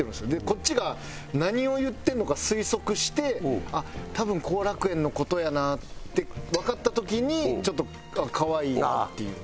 こっちが何を言ってるのか推測して多分後楽園の事やなってわかった時にちょっと可愛いなっていう。